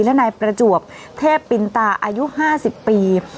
และนายประจวบเทพปินตาอายุ๕๐ปี